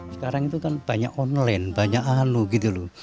sekarang itu kan banyak online banyak alu gitu loh